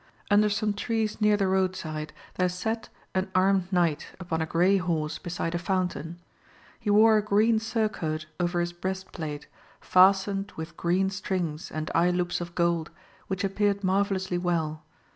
Under 8t)me trees near the road side there sate an arme I knight upon a grey horse beside a fountain. He wore a green surcoat over his breast plate, fastened with green strings and eye loops of gold, which appeared mar vellously well.